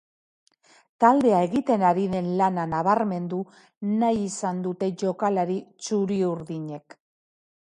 Taldea egiten ari den lana nabarmendu nahi izan dute jokalari txuri-urdinek.